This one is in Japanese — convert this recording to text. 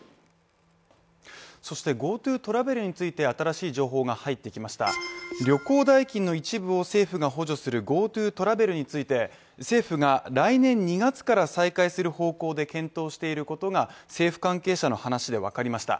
そしてＧｏＴｏトラベルについて新しい情報が入ってきました旅行代金の一部を政府が補助するＧｏＴｏトラベルについて、政府が来年２月から再開する方向で検討していることが、政府関係者の話でわかりました。